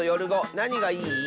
なにがいい？